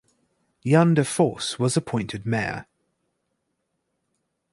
Jan De Vos was appointed mayor.